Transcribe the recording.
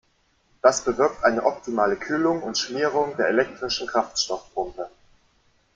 Das bewirkt eine optimale Kühlung und Schmierung der elektrischen Kraftstoffpumpe.